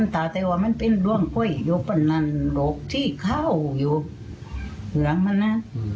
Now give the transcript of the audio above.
แต่ว่ามันเป็นดวงไฟอยู่บ้านนั้นหรอกที่เข้าอยู่หลังมันนะ